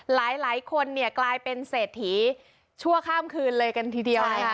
หลายคนเนี่ยกลายเป็นเศรษฐีชั่วข้ามคืนเลยกันทีเดียว